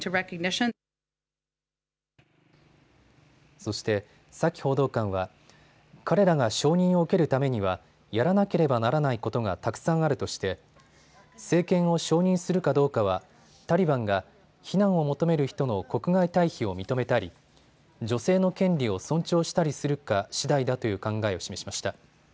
そして、サキ報道官は彼らが承認を受けるためにはやらなければならないことがたくさんあるとして政権を承認するかどうかはタリバンが避難を求める人の国外退避を認めたり、女性の権利を尊重したりするかしだいだという考えを示しました。